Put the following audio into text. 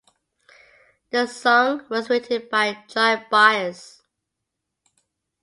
The song was written by Joy Byers.